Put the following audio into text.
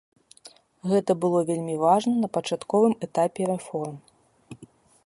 Гэта было вельмі важна на пачатковым этапе рэформ.